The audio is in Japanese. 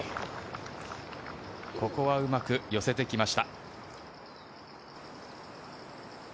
ここはうまく寄せてきました。